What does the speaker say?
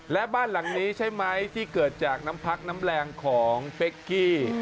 และบ้านหลังนี้ใช่ไหมที่เกิดจากน้ำพักน้ำแรงของเป๊กกี้